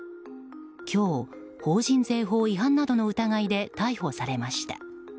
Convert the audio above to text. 今日、法人税法違反などの疑いで逮捕されました。